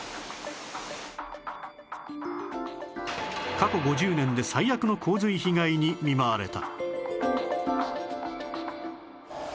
過去５０年で最悪の洪水被害に見舞われた